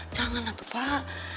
jangan lah tuh pak